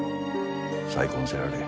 再婚せられえ。